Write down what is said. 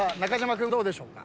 君どうでしょうか？